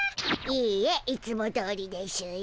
いいえいつもどおりでしゅよ。